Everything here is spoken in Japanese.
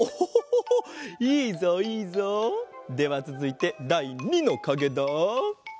いいぞいいぞ。ではつづいてだい２のかげだ！